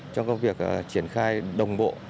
trong công việc triển khai đồng bộ